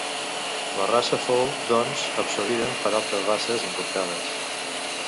La raça fou, doncs, absorbida per altres races, importades.